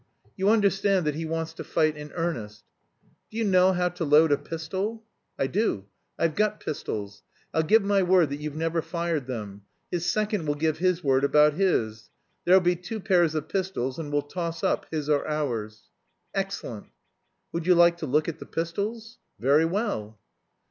You understand that he wants to fight in earnest. Do you know how to load a pistol?" "I do. I've got pistols. I'll give my word that you've never fired them. His second will give his word about his. There'll be two pairs of pistols, and we'll toss up, his or ours?" "Excellent." "Would you like to look at the pistols?" "Very well."